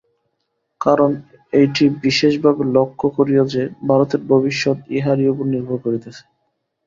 কারণ এইটি বিশেষভাবে লক্ষ্য করিও যে, ভারতের ভবিষ্যৎ ইহারই উপর নির্ভর করিতেছে।